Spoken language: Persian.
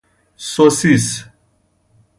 سوسیس